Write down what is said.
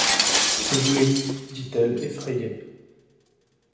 Que voulez-vous, dit-elle effrayée.